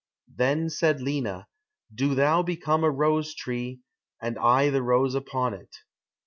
Then said Lina, "Do thou become a rose tree, and I the rose upon it."